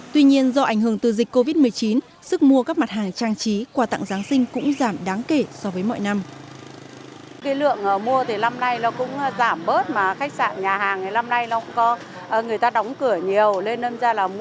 tuy nhiên do ảnh hưởng từ dịch covid một mươi chín sức mua các mặt hàng trang trí quà tặng giáng sinh cũng giảm đáng kể so với mọi năm